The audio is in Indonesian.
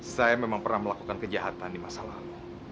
saya memang pernah melakukan kejahatan di masa lalu